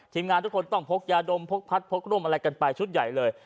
งานทุกคนต้องพกยาดมพกพัดพกร่มอะไรกันไปชุดใหญ่เลย